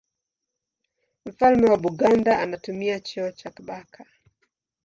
Mfalme wa Buganda anatumia cheo cha Kabaka.